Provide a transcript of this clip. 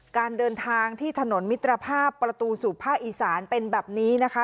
การเดินทางที่ถนนมิตรภาพประตูสู่ภาคอีสานเป็นแบบนี้นะคะ